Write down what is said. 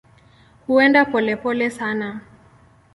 Huenda polepole sana.